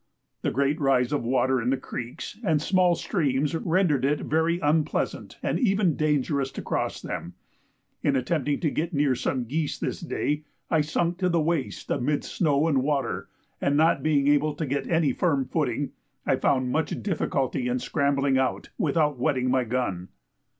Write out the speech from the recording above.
The great rise of water in the creeks and small streams rendered it very unpleasant and even dangerous to cross them. In attempting to get near some geese this day I sunk to the waist amidst snow and water, and not being able to get any firm footing, I found much difficulty in scrambling out without wetting my gun.